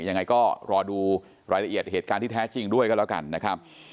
ยังไงก็รอดูรายละเอียดเหตุการณ์ที่แท้จริงด้วยกันแล้วกันนะครับ